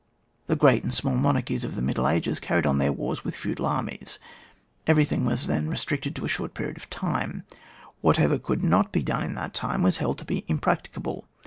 The great and small monarchies of the middle ages carried on their wars with feudal armies. Everything was then re stricted to a short period of time ; what ever could not be done in that time was held to be impracticable.